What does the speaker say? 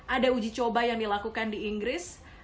ada uji coba yang dilakukan di inggris